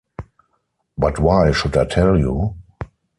But why should I tell you?